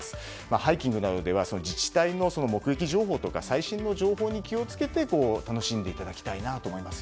ハイキングなどでは自治体の目撃情報とか最新の情報に気を付けて楽しんでいただきたいと思います。